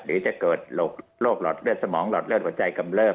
หรือจะเกิดโรคหลอดเลือดสมองหลอดเลือดหัวใจกำเริบ